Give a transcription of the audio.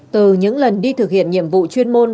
từ những lần đi thực hiện nhiệm vụ chuyên môn